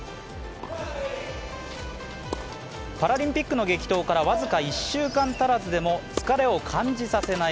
パラリンピックの激闘から僅か１週間足らずでも疲れを感じさせない